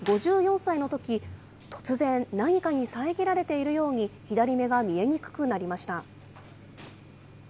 ５４歳のとき、突然、何かに遮られているように、左目が見えにくくなりました。